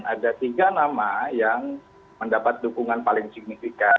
ada tiga nama yang mendapat dukungan paling signifikan